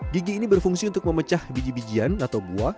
gigi ini berfungsi untuk memecah biji bijian atau buah